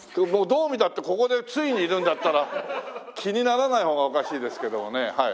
どう見たってここで対にいるんだったら気にならない方がおかしいですけどもねはい。